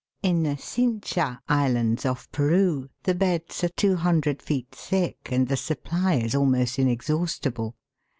In the Cincha Islands, off Peru, the beds are two hun dred feet thick, and the supply is almost inexhaustible.